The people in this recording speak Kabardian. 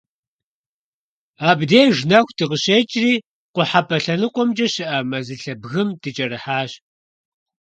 Абдеж нэху дыкъыщекIри, къухьэпIэ лъэныкъуэмкIэ щыIэ мэзылъэ бгым дыкIэрыхьащ.